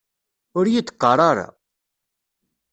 Ur iyi-d qqar ara!